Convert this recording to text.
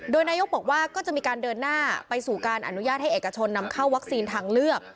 โดยนายกบอกว่าก็จะมีการเดินหน้าไปสู่การอนุญาตให้เอกชนนำเข้าวัคซีนทางเลือก